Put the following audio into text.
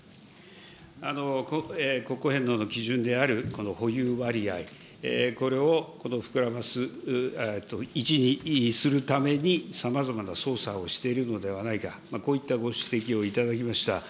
国庫返納の基準であるこの保有割合、これをこの膨らます、１にするために、さまざまな操作をしているのではないか、こういったご指摘をいただきました。